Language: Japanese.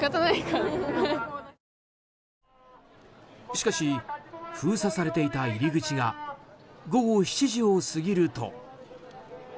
しかし、封鎖されていた入り口が午後７時を過ぎると。